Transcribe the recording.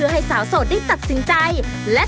อุ๊ยเริ่มจากคนแรก